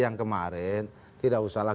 yang kemarin tidak usahlah